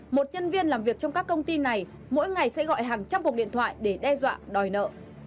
một nhân viên làm việc trong các công ty này mỗi ngày sẽ gọi hàng trăm cuộc điện thoại để đe dọa đòi nợ